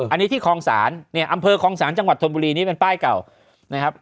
อันนี้ที่คองศาลอำเภอคองศาลจังหวัดธนบุรีนี้เป็นป้ายเก่า